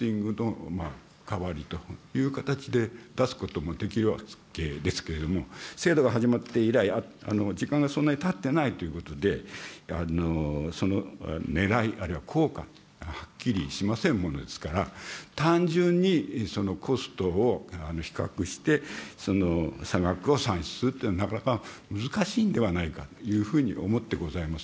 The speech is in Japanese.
これにつきましてはですね、ポスティングの代わりという形で出すこともできるわけでありますけれども、制度が始まって以来、時間がそんなにたっていないということで、そのねらい、ある効果、はっきりしませんものですから、単純にコストを比較して、差額を算出するというのは、なかなか難しいんではないかというふうに思ってございます。